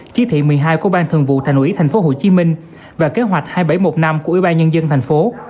chỉ thị một mươi hai của ban thường vụ thành ủy tp hcm và kế hoạch hai nghìn bảy trăm một mươi năm của ủy ban nhân dân thành phố